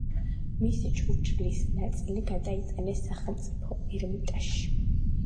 მისი ჭურჭლის ნაწილი გადაიტანეს სახელმწიფო ერმიტაჟში.